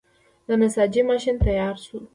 د نساجۍ ماشین تیار شو.